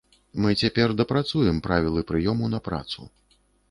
Мы цяпер дапрацуем правілы прыёму на працу.